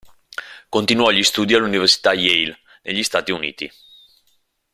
Continuò gli studi all'Università Yale, negli Stati Uniti.